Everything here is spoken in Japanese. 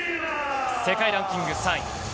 世界ランキング３位。